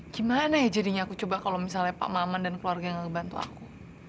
gimana ya jadinya aku coba kalau misalnya pak maman dan keluarga gak ngebantu aku